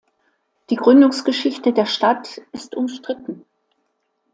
Die Gründungsgeschichte der Stadt ist umstritten.